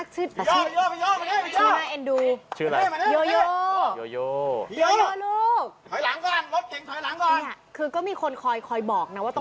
รถเต็มส่งไว้